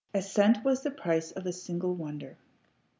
A cent was the price of a single wonder.